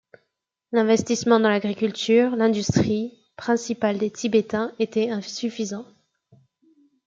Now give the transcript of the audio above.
L'investissement dans l'agriculture, l'industrie principale des Tibétains, était insuffisant.